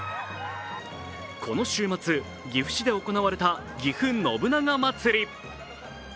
この週末、岐阜市で行われたぎふ信長まつり。